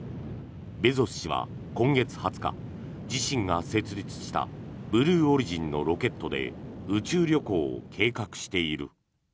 ベゾス氏は今月２０日自身が設立したブルーオリジンのロケットで宇宙旅行を計画している。